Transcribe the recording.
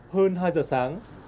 hơn hai giờ sáng